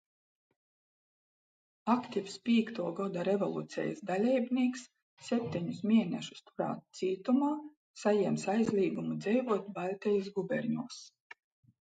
Aktivs Pīktuo goda revolucejis daleibnīks, septeņus mienešus turāts cītumā, sajiems aizlīgumu dzeivuot Baļtejis guberņuos.